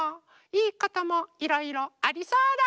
いいこともいろいろありそうだ。